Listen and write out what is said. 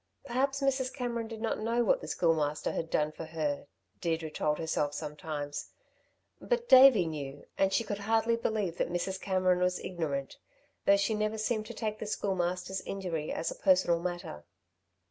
Perhaps Mrs. Cameron did not know what the Schoolmaster had done for her, Deirdre told herself sometimes. But Davey knew and she could hardly believe that Mrs. Cameron was ignorant, though she never seemed to take the Schoolmaster's injury as a personal matter.